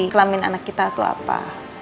kelamin anak kita itu apa